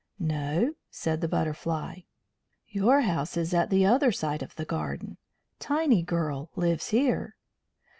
"No," said the Butterfly. "Your house is at the other side of the garden. Tinygirl lives here."